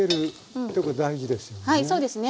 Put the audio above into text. はいそうですね。